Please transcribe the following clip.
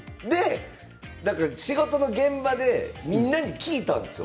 仕事の現場でみんなに聞いたんです。